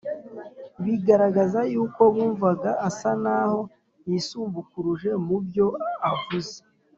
, bigaragaza yuko bumvaga asa n’aho yisumbukuruje mu byo avuze.